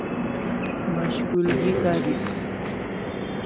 Mashkulgi karik